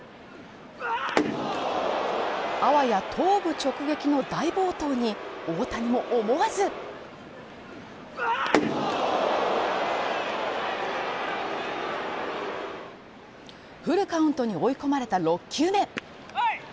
あわや頭部直撃の大暴投に大谷も思わずフルカウントに追い込まれた６球目。